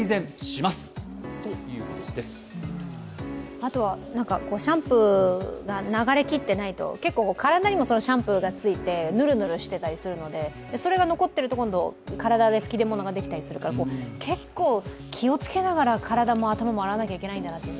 あとはシャンプーが流れきってないと、結構体にもシャンプーがついて、ヌルヌルしてたりするので、それが残っていると今度体で吹き出物ができたりするから結構、気をつけながら体も頭も洗わなきゃいけないんだなと。